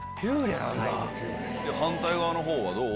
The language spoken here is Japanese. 反対側の方はどう？